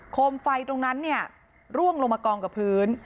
มไฟตรงนั้นเนี่ยร่วงลงมากองกับพื้น